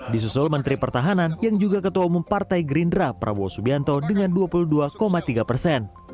disusul menteri pertahanan yang juga ketua umum partai gerindra prabowo subianto dengan dua puluh dua tiga persen